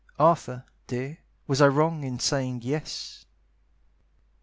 Arthur, dear, Was I wrong in saying "Yes"?